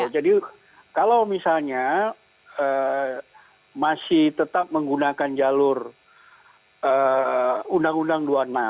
jadi kalau misalnya masih tetap menggunakan jalur undang undang dua puluh enam